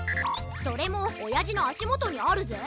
それもおやじのあしもとにあるぜ。